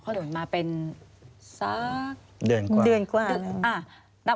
ควิทยาลัยเชียร์สวัสดีครับ